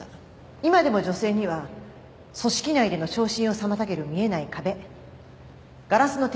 今でも女性には組織内での昇進を妨げる見えない壁ガラスの天井がある。